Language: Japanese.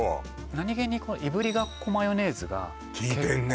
なにげにいぶりがっこマヨネーズがきいてんね